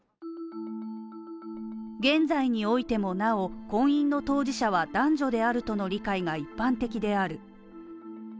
現在においてもなお婚姻の当事者は男女であるとの理解が一般的である。